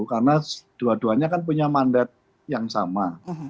karena dua duanya kan punya mandat yang sama